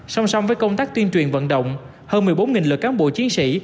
song song với công tác tuyên truyền vận động hơn một mươi bốn lượt cán bộ chiến sĩ